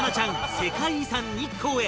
世界遺産日光へ